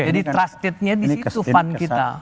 jadi trustednya di situ fund kita